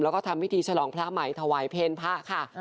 แล้วก็ทำพิธีฉลองพระใหม่ถวายเพลพระค่ะ